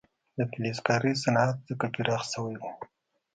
د فلزکارۍ صنعت ځکه پراخ شوی و.